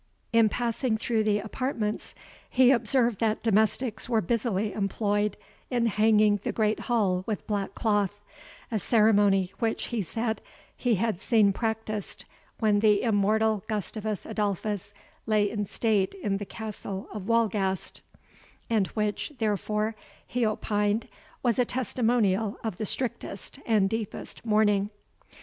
In passing through the apartments, he observed that domestics were busily employed in hanging the great hall with black cloth, a ceremony which, he said, he had seen practised when the immortal Gustavus Adolphus lay in state in the Castle of Wolgast, and which, therefore, he opined, was a testimonial of the strictest and deepest mourning.